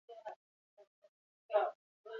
Bertan izango dira konklabea bukatu arte.